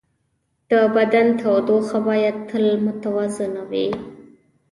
د بدن تودوخه باید تل متوازنه وي.